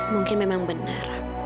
mungkin memang benar